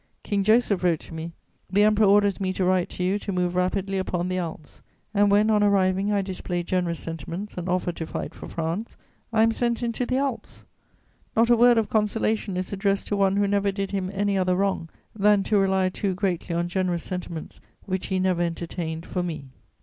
_' King Joseph wrote to me, 'The Emperor orders me to write to you to move rapidly upon the Alps.' And when, on arriving, I display generous sentiments and offer to fight for France, I am sent into the Alps. Not a word of consolation is addressed to one who never did him any other wrong than to rely too greatly on generous sentiments which he never entertained for me.